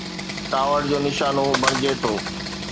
ڪاوڙ جو نشانو بڻجي ٿو.